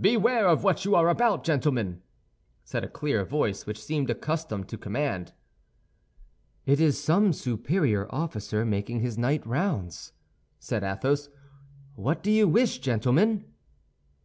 "Beware of what you are about, gentlemen!" said a clear voice which seemed accustomed to command. "It is some superior officer making his night rounds," said Athos. "What do you wish, gentlemen?"